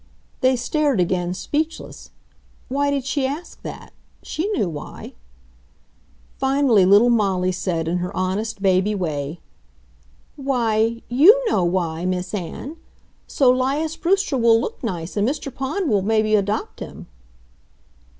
They stared again, speechless. Why did she ask that? She knew why. Finally little Molly said, in her honest, baby way, "Why, YOU know why, Miss Ann! So 'Lias Brewster will look nice, and Mr. Pond will maybe adopt him."